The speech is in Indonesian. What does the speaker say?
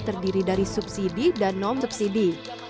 terdiri dari subsidi dan non subsidi